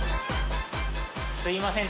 すみません